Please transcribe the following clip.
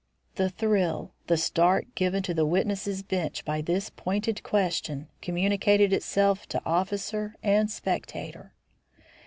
The thrill, the start given to the witnesses' bench by this pointed question, communicated itself to officer and spectator.